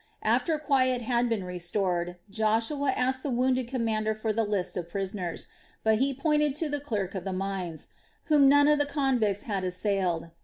After quiet had been restored, Joshua asked the wounded commander for the list of prisoners, but he pointed to the clerk of the mines, whom none of the convicts had assailed.